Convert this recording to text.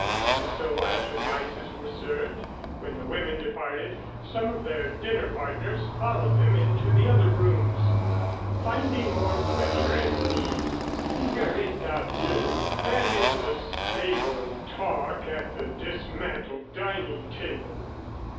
And so after the ices were served, when the women departed, some of their dinner partners followed them into the other rooms, finding more pleasure in the cigarette à deux than in the stable talk at the dismantled dining table.